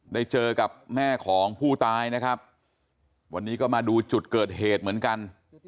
ได้เจอกับแม่ของผู้ตายนะครับวันนี้ก็มาดูจุดเกิดเหตุเหมือนกัน